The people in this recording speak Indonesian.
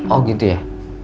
oh gitu ya